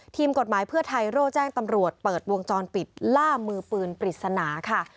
ทีมกฎหมายเพื่อไทยโร่แจ้งตำรวจเปิดวงจรปิดล่ามือปืนปริศนาค่ะ